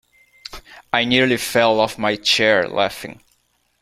I nearly fell off my chair laughing